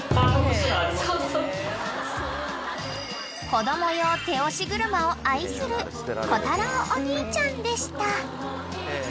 ［子供用手押し車を愛するこたろうお兄ちゃんでした］